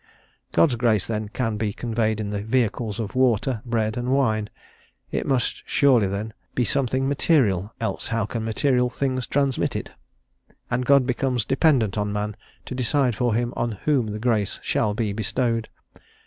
God's grace, then, can be conveyed in the vehicles of water, bread, and wine; it must surely, then, be something material, else how can material things transmit it? And God becomes dependent on man to decide for him on whom the grace shall be bestowed.